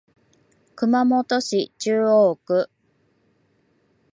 熊本市中央区